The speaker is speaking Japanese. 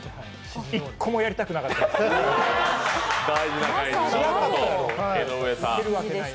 １個もやりたくなかったです。